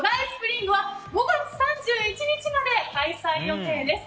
ＳＰＲＩＮＧは５月３１日まで開催予定です。